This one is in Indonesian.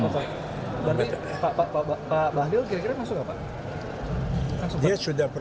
berarti pak bahlil kira kira masuk nggak pak